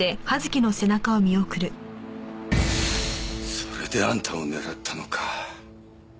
それであんたを狙ったのか。